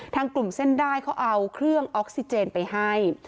ทางกลุ่มเส้นได้เขาเอาเครื่องออกซิเจนไปให้